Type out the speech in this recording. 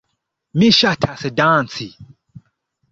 Mi ŝatas danci.